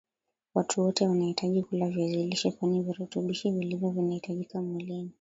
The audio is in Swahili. Watu wote wanahitaji kula viazi lishe kwani virutubishi vilivyomo vinahitajika mwilini